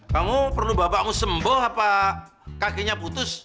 kamu perlu bapakmu sembuh apa kakinya putus